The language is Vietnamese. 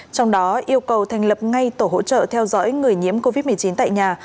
trong đó yêu cầu thành lập ngay tổ hỗ trợ theo dõi người nhiễm covid một mươi chín tại nhà